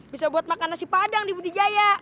bisa buat makan nasi padang di budi jaya